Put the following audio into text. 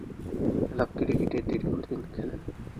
Club ক্রিকেটে দীর্ঘদিন খেলেন।